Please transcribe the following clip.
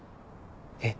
えっ。